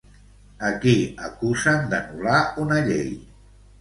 A qui acusen d'anul·lar una llei?